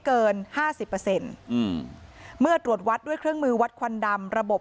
เกินห้าสิบเปอร์เซ็นต์อืมเมื่อตรวจวัดด้วยเครื่องมือวัดควันดำระบบ